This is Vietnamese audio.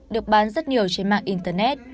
được bán rất nhiều trên mạng internet